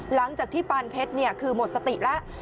หลังจากที่ปานเพชรคือหมดสติแล้ว